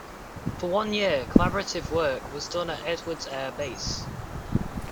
For one year, collaborative work was done at Edwards Air Base.